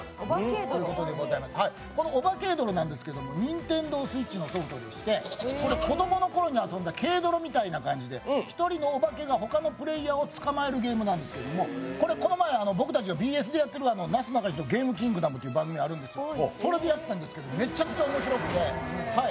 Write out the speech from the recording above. なんですけれども、ＮｉｎｔｅｎｄｏＳｗｉｔｃｈのソフトでして、子供のころに遊んだ「ケイドロ」みたいな感じで１人のオバケが他のプレーヤーを捕まえるゲームなんですけどこれこの前、僕たちがＢＳでやっている番組、「なすなかにしのゲームキングダム」という番組があるんですけれどもそれをやったんですけど、めちゃくちゃおもしろくて。